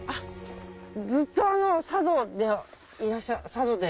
ずっと佐渡で？